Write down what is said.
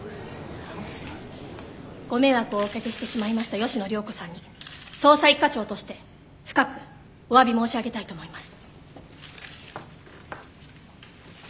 ご迷惑をおかけしてしまいました吉野涼子さんに捜査一課長として深くおわび申し上げたいと思います。